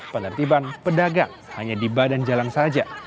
penertiban pedagang hanya di badan jalan saja